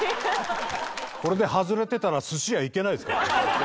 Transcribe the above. これで外れてたら寿司屋行けないですからね。